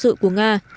tình trạng của nga là